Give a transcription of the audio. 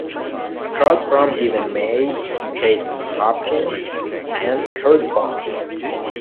Across from Deven May, Kaitlin Hopkins, And Kerry Butler.